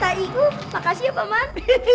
kak ibu makasih ya paman